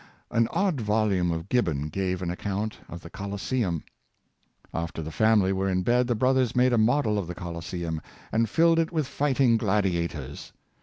An odd volume of Gibbon gave an account of the Coliseum, After the family were in bed the brothers made a model of the Coliseum, and filled it with fighting gladiators.